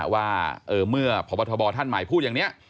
ว่าเมื่อพบทบท่านใหม่พูดอย่างนี้